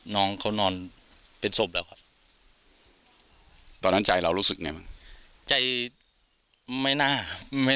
น้องเขานอนเป็นศพแล้วตอนนั้นใจเรารู้สึกในใจไม่น่าไม่